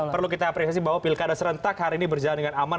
perlu kita apresiasi bahwa pilkada serentak hari ini berjalan dengan aman